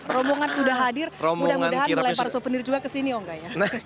romongan sudah hadir mudah mudahan melepar souvenir juga ke sini oh enggak ya